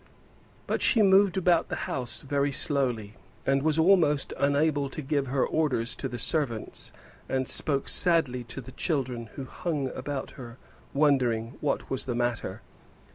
But she moved about the house very slowly, and was almost unable to give her orders to the servants, and spoke sadly to the children who hung about her wondering what was the matter.